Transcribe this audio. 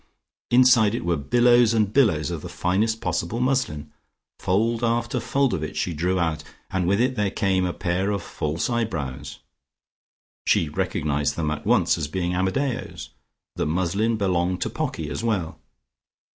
Inside it were billows and billows of the finest possible muslin. Fold after fold of it she drew out, and with it there came a pair of false eyebrows. She recognised them at once as being Amadeo's. The muslin belonged to Pocky as well.